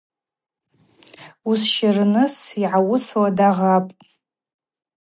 Уызщырныс йгӏауысуа дагъапӏ.